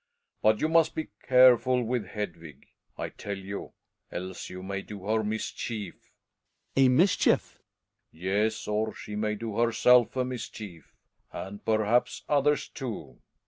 But you must be careful with Hedvig, I tell you, else you may do her a mischief. Hjalmar. A mischief ! Relling. Yes — or she may do herself a mischief !— and perhaps others, too.